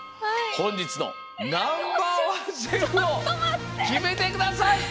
ほんじつのナンバーワンシェフをきめてください！